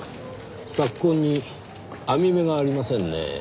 索痕に編み目がありませんねぇ。